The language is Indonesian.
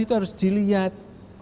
itu harus dilihat